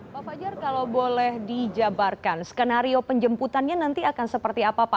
pak fajar kalau boleh dijabarkan skenario penjemputannya nanti akan seperti apa pak